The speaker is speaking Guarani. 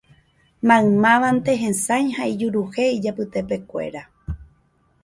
Maymávante hesãi ha ijuruhe ijapytepekuéra